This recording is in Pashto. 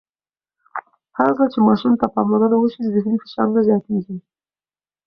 هرځل چې ماشوم ته پاملرنه وشي، ذهني فشار نه زیاتېږي.